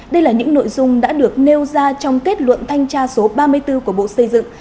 đây là những nội dung đã được nêu ra trong kết luận thanh tra số ba mươi bốn của bộ xây dựng